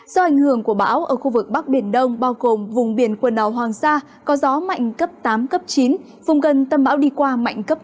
do ảnh hưởng của bão ở khu vực bắc biển đông bao gồm vùng biển quần đào hoàng sa có gió mạnh cấp tám chín vùng gần tâm bão đi qua mạnh cấp một mươi một mươi một